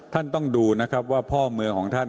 ท่านต้องดูนะครับว่าพ่อเมืองของท่าน